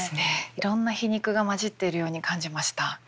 いろんな皮肉が交じっているように感じました。